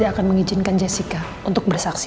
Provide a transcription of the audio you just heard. dia akan mengizinkan jessica untuk bersaksi